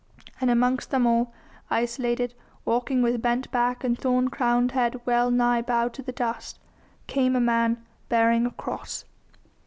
And amongst them all, isolated, walking with bent back and thorn crowned head well nigh bowed to the dust, came a Man bearing a Cross.